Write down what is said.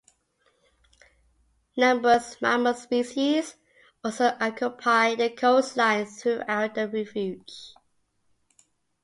Numerous mammal species also occupy the coastline throughout the refuge.